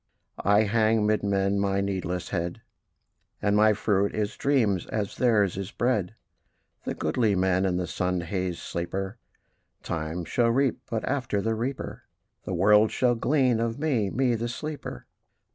I hang 'mid men my needless head, And my fruit is dreams, as theirs is bread: The goodly men and the sun hazed sleeper Time shall reap; but after the reaper The world shall glean of me, me the sleeper!